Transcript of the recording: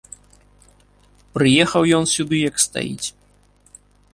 Прыехаў ён сюды як стаіць.